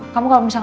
kamu kalau misalnya